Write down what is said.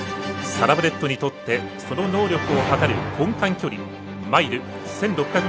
サラブレッドにとってその能力を測る根幹距離マイル１６００ｍ。